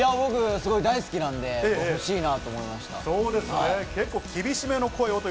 すごく大好きなんで、欲しいなと思います。